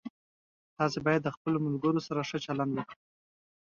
تاسو باید له خپلو ملګرو سره ښه چلند وکړئ.